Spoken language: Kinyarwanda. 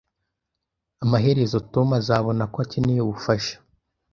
Amaherezo, Tom azabona ko akeneye ubufasha